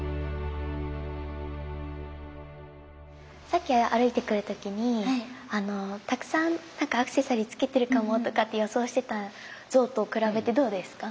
さっき歩いてくる時にたくさんアクセサリーつけてるかもとかって予想してた像と比べてどうですか？